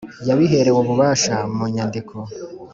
yabiherewe ububasha mu nyandiko